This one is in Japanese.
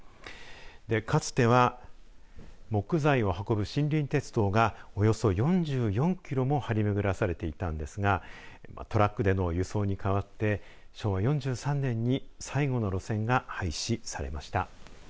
かつては木材を運ぶ森林鉄道がおよそ４４キロも張り巡らされていたんですがトラックでの輸送に替わって昭和４３年に最後の路線が廃止されました。